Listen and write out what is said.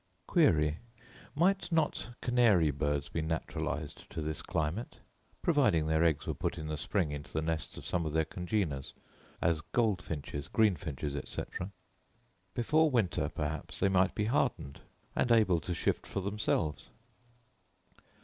Query…..Might not canary birds be naturalized to this climate, provided their eggs were put in the spring, into the nests of some of their congeners, as goldfinches, greenfinches, etc. ? Before winter perhaps they might be hardened, and able to shift for themselves.